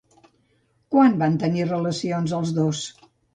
Quan van tenir relacions els dos?